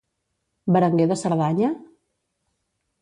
Berenguer de Cerdanya?